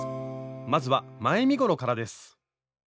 まずは前身ごろからです。